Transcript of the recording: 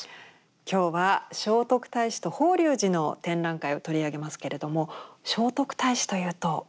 今日は聖徳太子と法隆寺の展覧会を取り上げますけれども聖徳太子というと。